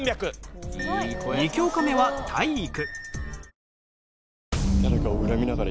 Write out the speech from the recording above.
２教科目は体育。